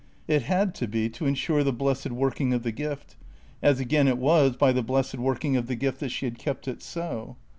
It had to be to ensure the blessed working of the gift; as again, it was by the blessed working of the gift that she had kept it so.